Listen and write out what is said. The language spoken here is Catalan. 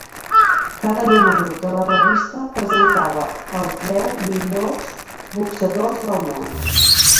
Cada número de la revista presentava als deu millors boxadors del món.